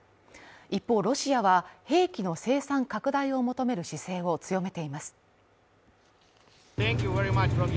一方ロシアは兵器の生産拡大を求める姿勢を強めています。